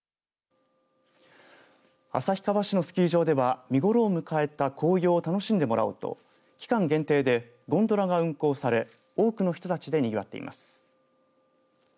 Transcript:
旭川市のスキー場では見頃を迎えた紅葉を楽しんでもらおうと期間限定でゴンドラが運行され多くの人たちでにぎわっています。